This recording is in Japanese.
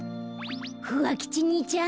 ふわ吉にいちゃん